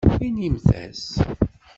Inimt-as.